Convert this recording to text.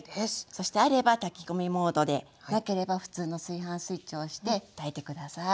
そしてあれば炊き込みモードでなければ普通の炊飯スイッチを押して炊いて下さい。